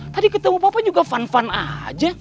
tadi ketemu bapak juga fun fun aja